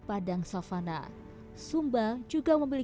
panen sebanyak tiga kali